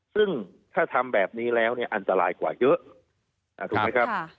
ซึ่งถ้าทำแบบนี้แล้วเนี่ยอันตรายกว่าเยอะ